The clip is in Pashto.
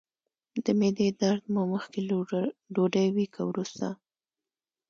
د معدې درد مو مخکې له ډوډۍ وي که وروسته؟